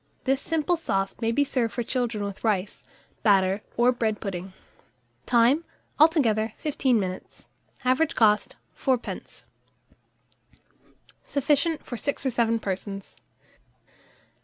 This simple sauce may be served for children with rice, batter, or bread pudding. Time. Altogether, 15 minutes. Average cost, 4d. Sufficient for 6 or 7 persons.